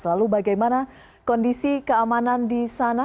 lalu bagaimana kondisi keamanan di sana